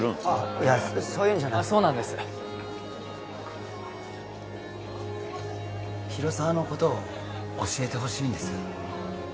いやそういうんじゃそうなんです広沢のことを教えてほしいんです